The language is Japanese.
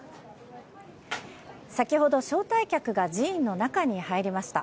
先ほど、招待客が寺院の中に入りました。